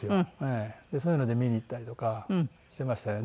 そういうので見に行ったりとかしてましたよ。